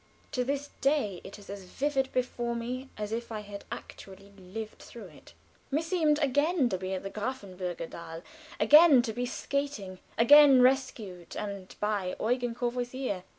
To this day it is as vivid before me, as if I had actually lived through it. Meseemed again to be at the Grafenbergerdahl, again to be skating, again rescued and by Eugen Courvoisier.